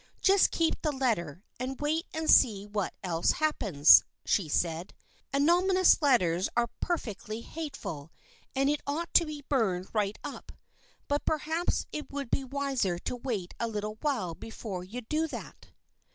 " Just keep the letter, and wait and see what else happens," she said. " Anonymous letters are perfectly hateful, and it ought to be burned right up, but perhaps it would be wiser to wait a little while before you do that.